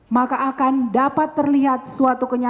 maka akan dapat terlihat suatu kenyataan